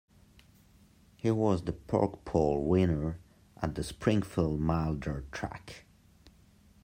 He was the Pork Pole winner at the Springfield mile-dirt track.